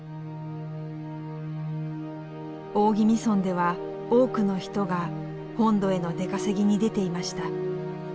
大宜味村では多くの人が本土への出稼ぎに出ていました。